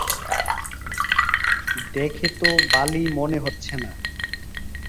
দেখে তো বালি মনে হচ্ছে না।